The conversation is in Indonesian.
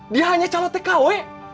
dia hanya calon tkw